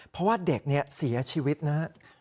เพราะว่าเด็กเนี่ยเสียชีวิตนะ